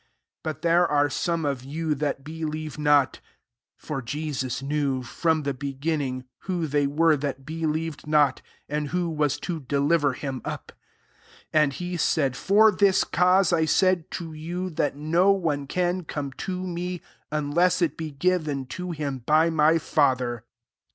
But there are some of yo«i that believe not." 64 (For Jesos knew, from the beginning, who they were that believed not, and who was to deliver him up,) 65 And he said, " For this cause I said to you, that no one can come to me, unless it be g^ven to him by [my] Father."